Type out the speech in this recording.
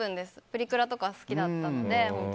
プリクラとか好きだったので。